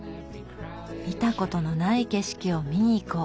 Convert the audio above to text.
見たことのない景色を見にいこう。